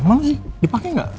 mana sih dipake gak